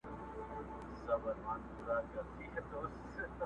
ما در وبخښل لس كاله نعمتونه،